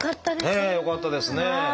ねえよかったですね。